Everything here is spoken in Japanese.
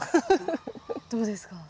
どうですか？